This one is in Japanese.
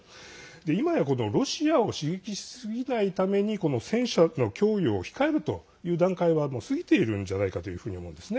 いまや、ロシアを刺激しすぎないために戦車の供与を控えるという段階は過ぎているんじゃないかというふうに思うんですね。